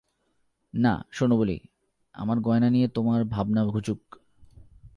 না, শোনো বলি– আমার গয়না নিয়ে তোমার ভাবনা ঘুচুক।